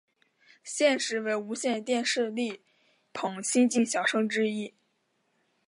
现时为无线电视力捧新晋小生之一。